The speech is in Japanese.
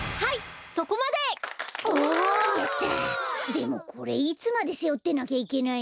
でもこれいつまでせおってなきゃいけないの？